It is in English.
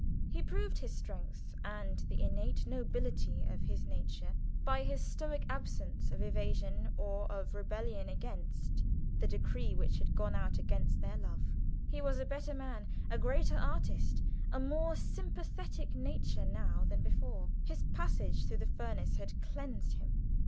He proved his strength and the innate nobility of his nature by his stoic abstinence from evasion of or rebellion against the decree which had gone out against their love. He was a better man, a greater artist, a more sympathetic nature now than before. His passage through the furnace had cleansed him.